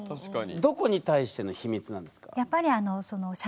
どこに対しての秘密なんですか？